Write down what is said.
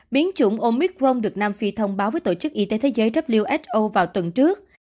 biến chủng omicron được nam phi thông báo với tổ chức y tế thế giới who vào tuần trước